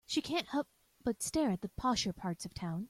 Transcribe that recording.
She can't help but to stare at the posher parts of town.